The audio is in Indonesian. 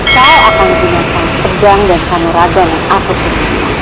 kau akan gunakan pedang dan kanuragan yang aku terima